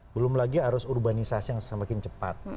belum lagi harus urbanisasi yang semakin cepat